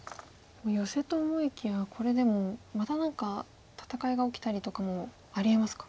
ヨセと思いきやこれでもまた何か戦いが起きたりとかもありえますか。